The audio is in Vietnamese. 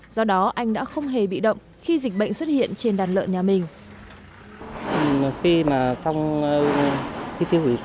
do đó anh đã không hề bị động khi dịch bệnh xuất hiện trên đàn lợn nhà mình